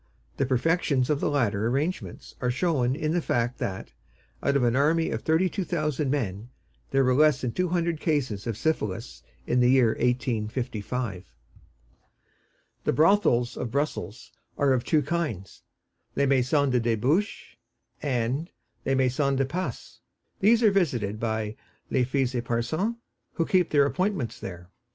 The perfections of the latter arrangements are shown in the fact that, out of an army of thirty thousand men, there were less than two hundred cases of syphilis in the year 1855. The brothels of Brussels are of two kinds: les maisons de debauché and les maisons de passe; these are visited by les filles éparses, who keep their appointments there.